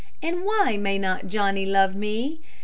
And why may not Johnny love me?